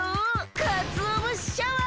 かつおぶしシャワー！